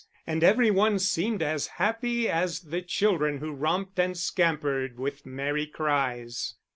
And every one seemed as happy as the children who romped and scampered with merry cries.